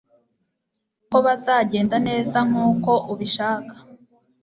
ko bazagenda neza nkuko ubishaka